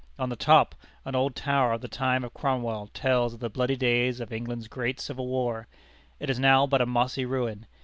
On the top, an old tower of the time of Cromwell tells of the bloody days of England's great civil war. It is now but a mossy ruin.